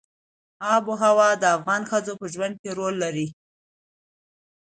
آب وهوا د افغان ښځو په ژوند کې رول لري.